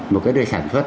một cái đời sản xuất